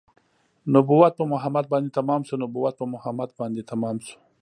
نبوت په محمد باندې تمام شو نبوت په محمد باندې تمام شو